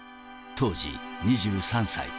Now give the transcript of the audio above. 当時２３歳。